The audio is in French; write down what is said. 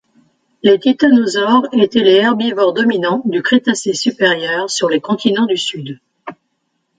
Les titanosaures étaient les herbivores dominants du Crétacé supérieur sur les continents du Sud.